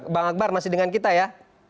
bang akbar masih dengan kita ya